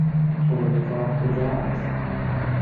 فرودگاه کجا است؟